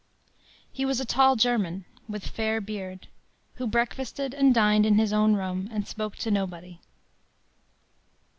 He was a tall German, with fair beard, who breakfasted and dined in his own room, and spoke to nobody.